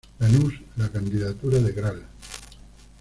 Lanusse la candidatura de Gral.